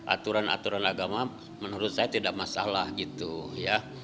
aturan aturan agama menurut saya tidak masalah gitu ya